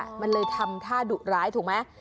ทางนี้มันเลยทำท่าดุดร้ายถูกมั้ย